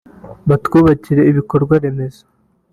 Batwubakire ibikorwa remezo